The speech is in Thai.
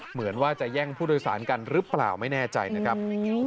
เหมือนว่าจะแย่งผู้โดยสารกันหรือเปล่าไม่แน่ใจนะครับ